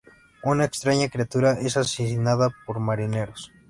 Una extraña criatura es asesinada por marineros.